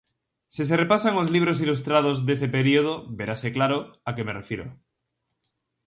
Se se repasan os libros ilustrados dese período verase claro a que me refiro.